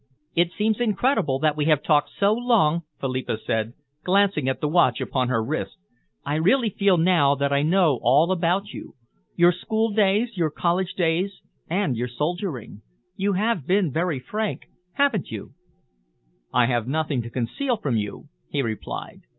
"It seems incredible that we have talked so long," Philippa said, glancing at the watch upon her wrist. "I really feel now that I know all about you your school days, your college days, and your soldiering. You have been very frank, haven't you?" "I have nothing to conceal from you," he replied.